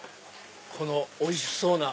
このおいしそうな。